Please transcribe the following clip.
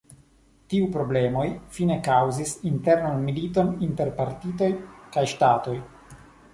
Tiu problemoj fine kaŭzis internan militon inter partioj kaj ŝtatoj.